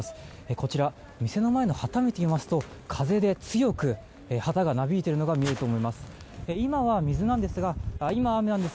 こちら店の前の旗を見てみますと風で強く旗がなびいているのが見えると思います。